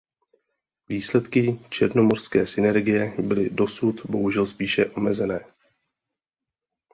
Výsledky černomořské synergie byly dosud bohužel spíše omezené.